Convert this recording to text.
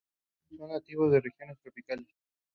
Shi Le noticed this and was greatly angered.